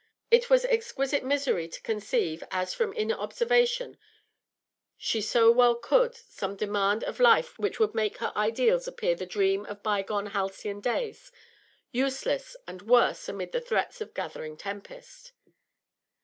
It was exquisite misery to conceive, as, from inner observation, she so well could, some demand of life which would make her ideals appear the dreams of bygone halcyon days, useless and worse amid the threats of gathering tempest.